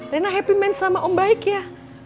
rena happy main sama om baik ya